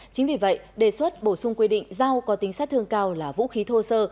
chính vì vậy đề xuất bổ sung quy định dao có tính sát thương cao là vũ khí thô sơ